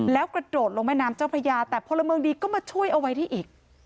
แล้วกระโดดลงแม่น้ำเจ้าพระยาแต่พลเมืองดีก็มาช่วยเอาไว้ที่อีก